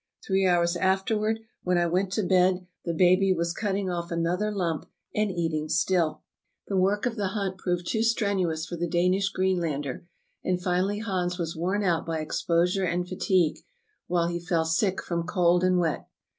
Three hours afterward, when I went to bed, the baby was cutting off" another lump and eating still." 376 True Tales of Arctic Heroism The work of the hunt proved too strenuous for the Danish Greenlander, and finally Hans was worn out by exposure and fatigue, while he fell sick from cold and wet.